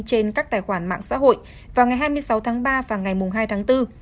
trên các tài khoản mạng xã hội vào ngày hai mươi sáu tháng ba và ngày hai tháng bốn